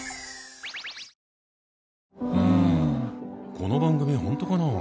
この番組本当かな？